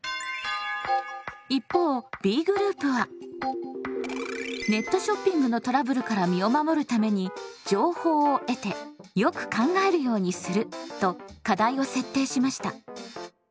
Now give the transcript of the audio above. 一方Ｂグループは「ネットショッピングのトラブルから身を守るために情報を得てよく考えるようにする」と課題を設定しました。